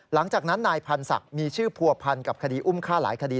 หลังจากนั้นนายพันธ์ศักดิ์มีชื่อผัวพันกับคดีอุ้มฆ่าหลายคดี